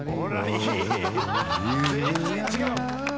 全然違う。